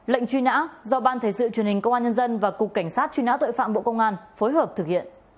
lệnh truy nã do ban thể sự truyền hình công an nhân dân và cục cảnh sát truy nã tội phạm bộ công an phối hợp thực hiện